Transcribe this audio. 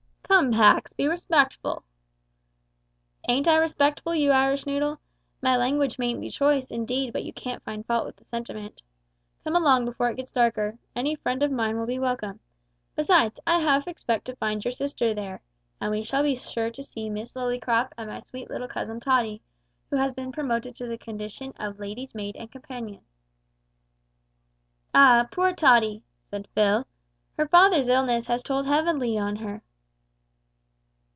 "Come, Pax, be respectful." "Ain't I respectful, you Irish noodle? My language mayn't be choice, indeed, but you can't find fault with the sentiment. Come along, before it gets darker. Any friend of mine will be welcome; besides, I half expect to find your sister there, and we shall be sure to see Miss Lillycrop and my sweet little cousin Tottie, who has been promoted to the condition of ladies' maid and companion." "Ah, poor Tottie!" said Phil, "her father's illness has told heavily on her."